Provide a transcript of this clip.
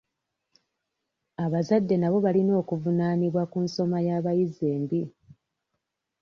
Abazadde nabo balina okuvunaanibwa ku nsoma y'abayizi embi.